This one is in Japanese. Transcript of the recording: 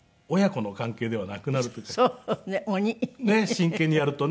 真剣にやるとね。